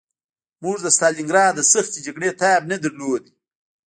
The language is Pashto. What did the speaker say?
موږ د ستالینګراډ د سختې جګړې تاب نه درلود